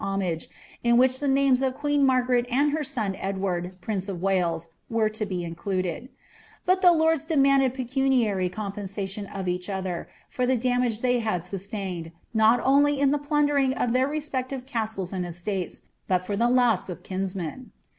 hotnsge, in which the namef of queen Margaret and lier son Edward prince of Wniea, were to be inrlnded ; but the lords demanded pecuniary cnmpensalion of earh cither, for the damage they had sustained, not only in the plundering of their respective castles and estates, but for the loss of kinsmen.'